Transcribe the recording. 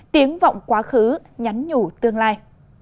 tiếng vọng quá khứ nhắn nhủ tương lai